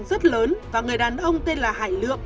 rất lớn và người đàn ông tên là hải lượng